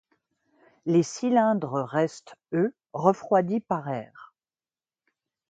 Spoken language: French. Les cylindres restent, eux, refroidis par air.